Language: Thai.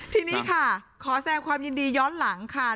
ทีนี้ค่ะขอแสดงความยินดีย้อนหลังค่ะ